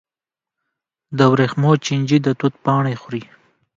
د ورېښمو چینجي د توت پاڼې خوري.